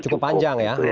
cukup panjang ya